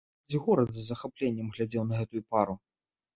Увесь горад з захапленнем глядзеў на гэтую пару.